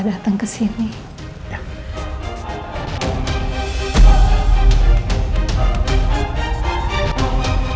datang ke sini ya